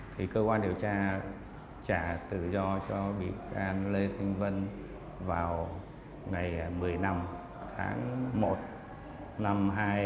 thì cơ quan điều tra trả tự do cho bị can lê thanh vân vào ngày một mươi năm tháng một năm hai nghìn hai mươi